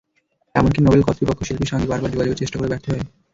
এমনকি নোবেল কর্তৃপক্ষ শিল্পীর সঙ্গে বারবার যোগাযোগের চেষ্টা করেও ব্যর্থ হয়।